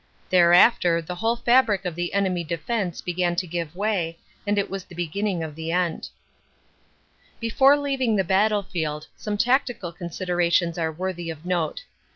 Thereafter the whole fabric of the enemy defense began to give way and it was the beginning of the end. LESSONS OF THE BATTLE 89 Before leaving the battlefield some tactical considerations are worthy of note.